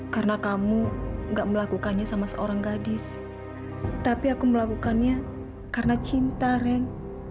karena kamu enggak melakukannya sama seorang gadis tapi aku melakukannya karena cinta ren